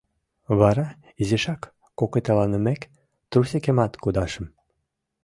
Вара, изишак кокытеланымек, трусикемат кудашым.